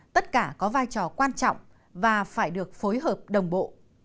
tất cả có vai trò quan trọng và phải được phối hợp đồng bộ